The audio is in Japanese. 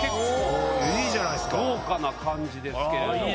豪華な感じですけど。